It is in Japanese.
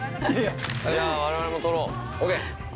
◆じゃあ、我々も撮ろう、オーケー。